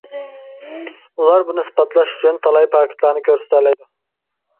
ئۇلار بۇنى ئىسپاتلاش ئۈچۈن تالاي پاكىتلارنى كۆرسىتەلەيدۇ.